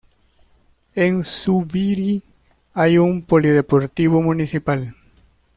En Zubiri hay un polideportivo municipal.